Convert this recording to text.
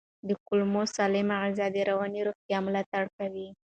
د کولمو سالمه غذا د رواني روغتیا ملاتړ کوي.